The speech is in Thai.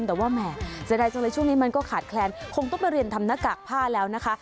แต่ว่าแหม่เสียดายจังเลยช่วงนี้มันก็ขาดแคลนคงต้องไปเรียนทำหน้ากากผ้าแล้วนะคะ